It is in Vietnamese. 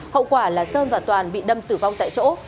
hậu quả là sơn và toàn bị đâm tử vong tại chỗ